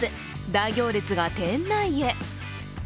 大行列が店内へ。